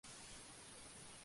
Ensayo tras ensayo.